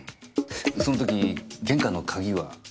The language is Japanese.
その時玄関の鍵は？